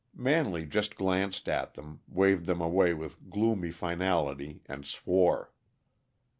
Manley just glanced at them, waved them away with gloomy finality, and swore.